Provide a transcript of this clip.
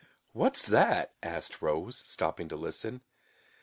"What's that?" asked Rose, stopping to listen.